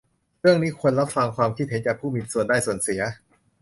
เรื่องนี้ควรจัดรับฟังความคิดเห็นจากผู้มีส่วนได้ส่วนเสีย